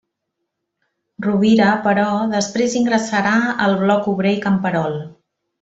Rovira però, després ingressarà al Bloc Obrer i Camperol.